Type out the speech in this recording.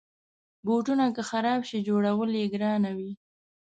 بوټونه که خراب شي، جوړول یې ګرانه وي.